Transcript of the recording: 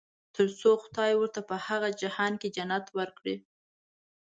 تر څو خدای ورته په هغه جهان کې جنت ورکړي.